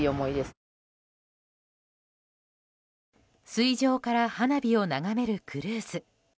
水上から花火を眺めるクルーズ。